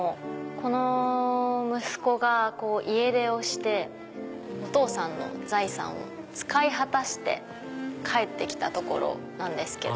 この息子が家出をしてお父さんの財産を使い果たして帰ってきたところなんですけど。